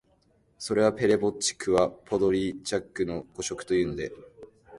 それは「ペレヴォッチクはポドリャッチクの誤植」というので、